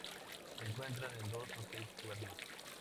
Se encuentran con dos o seis cuernos.